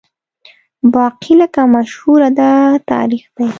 باقي لکه مشهوره ده تاریخ دی